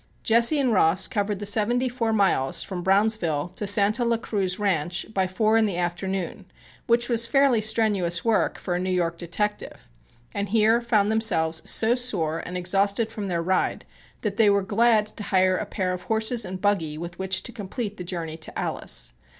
Jesse and Ross covered the seventy four miles from Brownsville to Santa La Cruz Ranch by four in the afternoon, which was fairly strenuous work for a New York detective, and here found themselves so sore and exhausted from their ride that they were glad to hire a pair of horses and buggy with which to complete the journey to Alice.